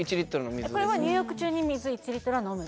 これは入浴中に水１リットルは飲む？